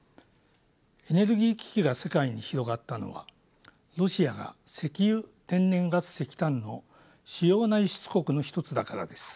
エネルギー危機が世界に広がったのはロシアが石油天然ガス石炭の主要な輸出国の一つだからです。